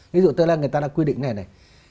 ví dụ tên là người ta đã quy định ngày này